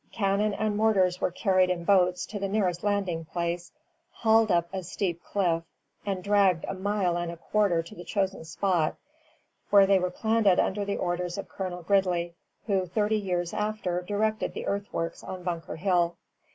Cannon and mortars were carried in boats to the nearest landing place, hauled up a steep cliff, and dragged a mile and a quarter to the chosen spot, where they were planted under the orders of Colonel Gridley, who thirty years after directed the earthworks on Bunker Hill.